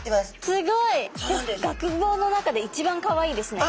すごい！学帽の中で一番かわいいですね。